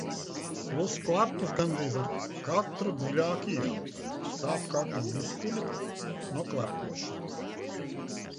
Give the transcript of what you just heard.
Plus klepus gandrīz ar katru dziļāku ieelpu. sāp kakla muskuļi no klepošanas.